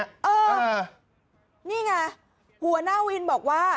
เออนี่ไงหัวหน้าวินบอกว่า